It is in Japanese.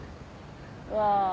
うわ。